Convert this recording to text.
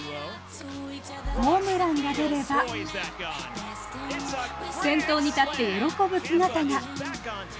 ホームランが出れば、先頭に立って喜ぶ姿が。